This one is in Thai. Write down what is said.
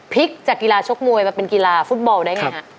จากกีฬาชกมวยมาเป็นกีฬาฟุตบอลได้ไงฮะ